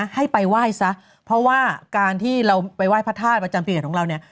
ให้ไปไหว้ซะเพราะว่าการที่เราไปไหว้พระธาตุประจำปีเกิดของเราเนี่ย